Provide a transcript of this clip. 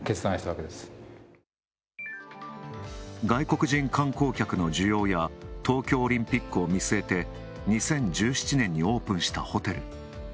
外国人観光客の需要や東京オリンピックを見据えて２０１７年にオープンしたホテル。